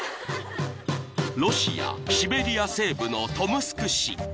［ロシアシベリア西部のトムスク市］